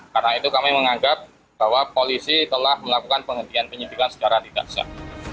karena itu kami menganggap bahwa polisi telah melakukan penghentian penyidikan secara tidak sehat